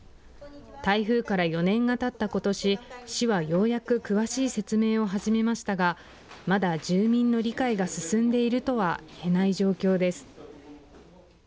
台風から４年がたったことし、市はようやく詳しい説明を始めましたがまだ住民の理解が進んでいるとはいえない状況です。